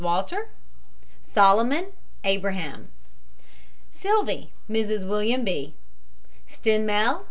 WALTER. SOLOMON, ABRAHAM. SILVEY, MRS. WILLIAM B STENMEL, MR.